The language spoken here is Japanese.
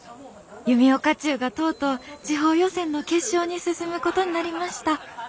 弓丘中がとうとう地方予選の決勝に進むことになりました。